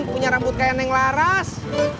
punya rambut kayak neng laras